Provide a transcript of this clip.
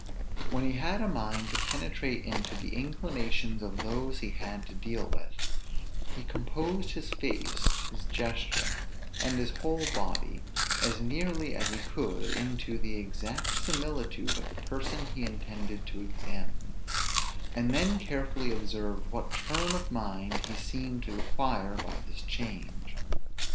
When he had a mind to penetrate into the inclinations of those he had to deal with, he composed his face, his gesture, and his whole body, as nearly as he could into the exact similitude of the person he intended to examine; and then carefully observed what turn of mind he seemed to acquire by this change.